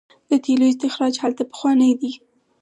د تیلو استخراج هلته پخوانی دی.